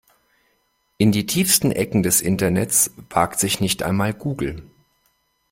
In die tiefsten Ecken des Internets wagt sich nicht einmal Google.